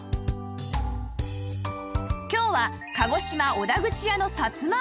今日は鹿児島小田口屋のさつま揚げ